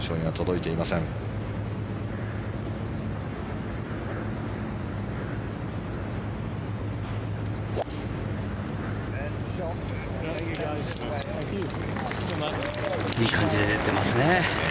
いい感じで打ててますね。